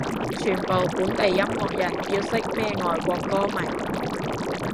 全部本地音樂人要識咩外國歌迷